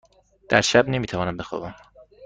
در شب نمی توانم بخوابم.